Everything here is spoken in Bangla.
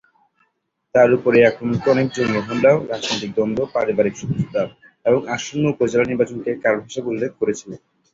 তার উপর এ আক্রমণকে অনেকে জঙ্গি হামলা, রাজনৈতিক দ্বন্দ্ব, পারিবারিক শত্রুতা এবং আসন্ন উপজেলা নির্বাচনকে কারণ হিসাবে উল্লেখ করেছিল।